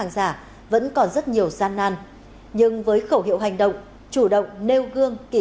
kinh doanh xăng dầu giả đánh chất lượng